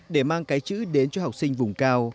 để mang cái chữ đến cho học sinh vùng cao